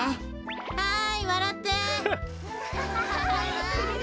はいわらって！